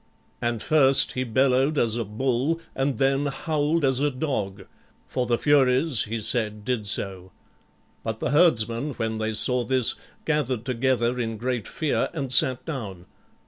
And first he bellowed as a bull and then howled as a dog, for the Furies, he said, did so. But the herdsmen, when they saw this, gathered together in great fear and sat down.